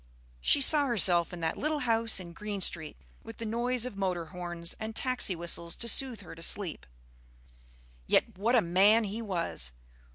She saw herself in that little house in Green Street, with the noise of motor horns and taxi whistles to soothe her to sleep. Yet what a man he was!